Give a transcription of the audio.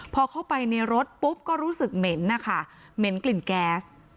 พอเข้าไปในรถปุ๊บก็รู้สึกเหม็นนะคะเหม็นกลิ่นแก๊ส